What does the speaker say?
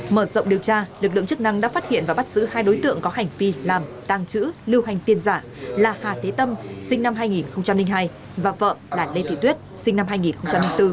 mở rộng điều tra lực lượng chức năng đã phát hiện và bắt giữ hai đối tượng có hành vi làm tăng trữ lưu hành tiền giả là hà tế tâm sinh năm hai nghìn hai và vợ là lê thị tuyết sinh năm hai nghìn bốn